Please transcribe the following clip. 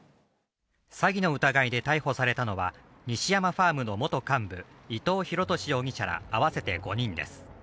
詐欺の疑いで逮捕されたのは西山ファームの元幹部、伊藤弘敏容疑者ら合わせて５人です。